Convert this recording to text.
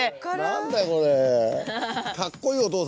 何だよこれ。